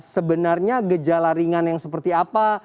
sebenarnya gejala ringan yang seperti apa